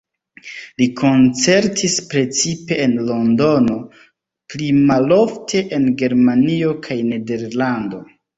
Li koncertis precipe en Londono, pli malofte en Germanio kaj Nederlando.